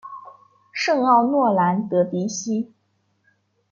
圣奥诺兰德迪西。